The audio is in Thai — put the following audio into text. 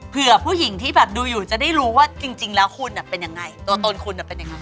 ผู้หญิงที่แบบดูอยู่จะได้รู้ว่าจริงแล้วคุณเป็นยังไงตัวตนคุณเป็นยังไง